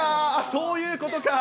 そういうことか。